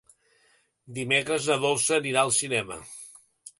Dimecres na Dolça anirà al cinema.